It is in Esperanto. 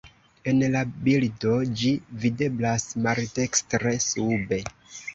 En la bildo ĝi videblas maldekstre sube.